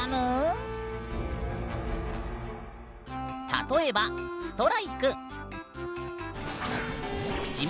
例えばストライク。